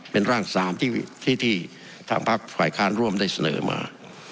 เป็นร่าง๓ที่ทางพักฝ่ายค้านร่วมได้เสนอมา